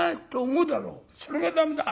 それが駄目だ。